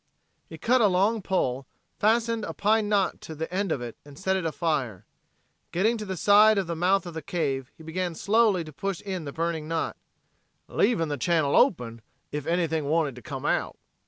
'" He cut a long pole, fastened a pine knot to the end of it and set it afire. Getting to the side of the mouth of the cave he began slowly to push in the burning knot, "leavin' the channel open ef anything wanted to come out."